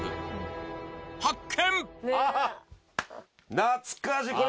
懐かしい。